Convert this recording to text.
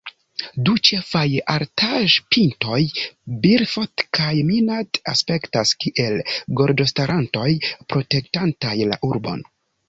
Du ĉefaj altaĵpintoj Bilfot kaj Minard aspektas kiel gardostarantoj, protektantaj la urbon.